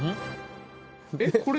えっこれ？